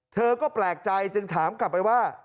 เธอก็แปลกใจจึงถามกลับไปว่า